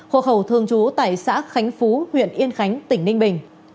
hộ khẩu thương chú tại xã khánh phú huyện yên khánh tỉnh ninh bình